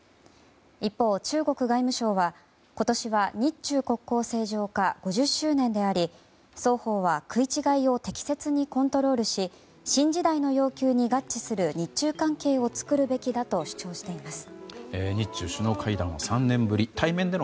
一方、中国外務省は、今年は日中国交正常化５０周年であり双方は食い違いを適切にコントロールし新時代の要求に合致する日中関係を作るべきだと主張しています。